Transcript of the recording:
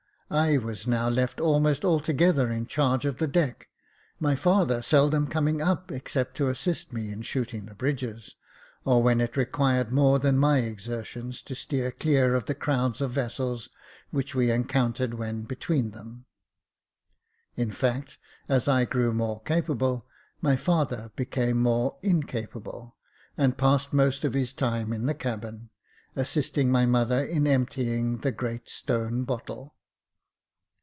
I was now left almost altogether in charge of the deck, my father seldom coming up except to assist me in shooting the 8 Jacob Faithful bridges, or when it required more than my exertions to steer clear of the crowds of vessels which we encountered when between them. In fact, as I grew more capable, my father became more incapable, and passed most of his time in the cabin, assisting my mother in emptying the great stone bottle.